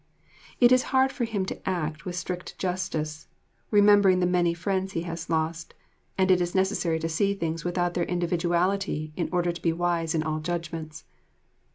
It is hard for him to act with strict justice, remembering the many friends he has lost, and it is necessary to see things without their individuality in order to be wise in all judgments.